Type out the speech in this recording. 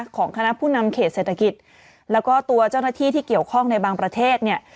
ของคณะผู้นำเขตเศรษฐกิจแล้วก็ตัวเจ้าหน้าที่ที่เกี่ยวข้องในบางประเทศเนี่ย